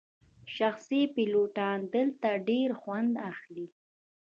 شخصي پیلوټان دلته ډیر خوند اخلي